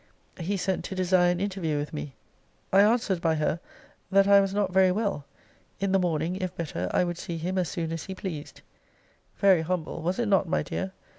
He sent to desire an interview with me. I answered by her, That I was not very well. In the morning, if better, I would see him as soon as he pleased. Very humble! was it not, my dear?